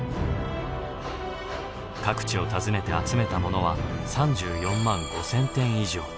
各地を訪ねて集めたものは３４万５，０００点以上。